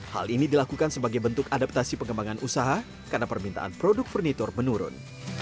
hal ini dilakukan sebagai bentuk adaptasi pengembangan usaha karena permintaan produk furnitur menurun